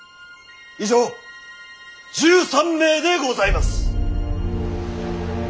以上１３名でございます。